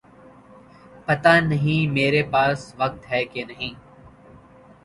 پتا نہیں میرے پاس وقت ہے کہ نہیں